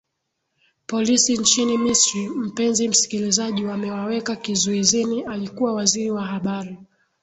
polisi nchini misri mpenzi msikilizaji wamewaweka kizuizini alikuwa waziri wa habari